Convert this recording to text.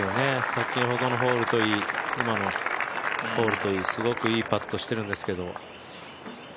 先ほどのホールといい、今のホールといい、すごくいいパットしてるんですけど。